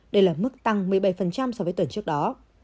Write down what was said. đây là mức tăng một mươi bảy so với tuần trước đó